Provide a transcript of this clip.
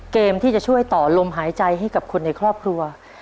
เกมที่จะช่วยต่อลมหายใจให้กับคนในครอบครัว